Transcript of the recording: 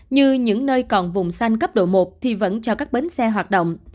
như những nơi còn vùng xanh cấp độ một thì vẫn cho các bến xe hoạt động